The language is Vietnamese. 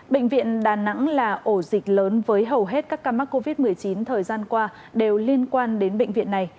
bệnh viện đà nẵng là ổ dịch lớn với hầu hết các ca mắc covid một mươi chín thời gian qua đều liên quan đến bệnh viện này